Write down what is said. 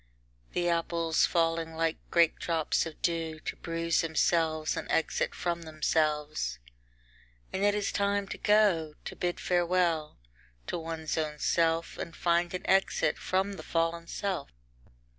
The apples falling like great drops of dew to bruise themselves an exit from themselves. And it is time to go, to bid farewell to one's own self, and find an exit from the fallen self.